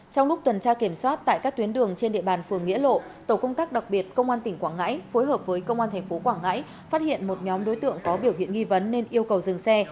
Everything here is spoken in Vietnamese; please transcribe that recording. trong lúc tuần tra kiểm soát tại các tuyến đường trên địa bàn phường nghĩa lộ tổ công tác đặc biệt công an tỉnh quảng ngãi phối hợp với công an tp quảng ngãi phát hiện một nhóm đối tượng có biểu hiện nghi vấn nên yêu cầu dừng xe